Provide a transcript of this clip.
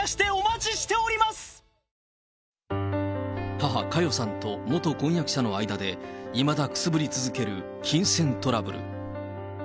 母、佳代さんと元婚約者の間で、いまだくすぶり続ける金銭トラブル。